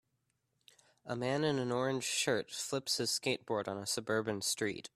A man in an orange shirt flips his skateboard on a suburban street.